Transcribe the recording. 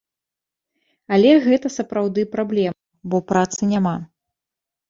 Але гэта сапраўды праблема, бо працы няма.